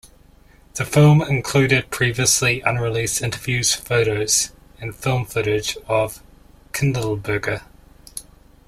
The film included previously unreleased interviews, photos, and film footage of Kindelberger.